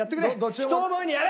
ひと思いにやれ！